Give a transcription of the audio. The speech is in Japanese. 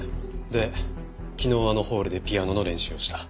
で昨日あのホールでピアノの練習をした。